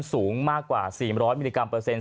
สูงมากกว่า๔๐๐มิลลิกรัมเปอร์เซ็นต